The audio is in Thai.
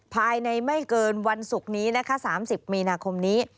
ภายในไม่เกินวันศุกร์นี้นะคะ๓๐มีนาคมนี้